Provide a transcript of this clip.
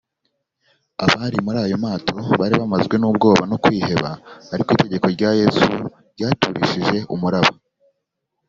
abari muri ayo mato bari bamazwe n’ubwoba no kwiheba, ariko itegeko rya yesu ryaturishije umuraba